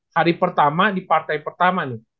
hari pertama di partai pertama nih